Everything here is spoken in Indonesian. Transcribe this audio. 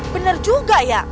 bener juga ya